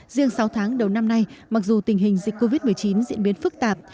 riêng sáu tháng đầu năm nay mặc dù tình hình dịch covid một mươi chín diễn biến phức tạp